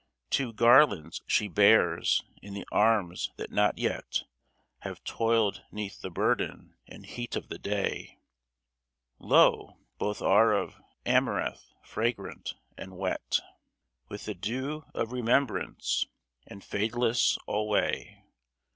Two garlands she bears in the arms that not yet Have toiled 'neath the burden and heat of the day ; Lo ! both are of amaranth, fragrant and wet With the dew of remembrance, and fadeless alway.